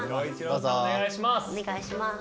おねがいします。